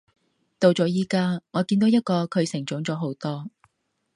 到咗而家，我見到一個佢成長咗好多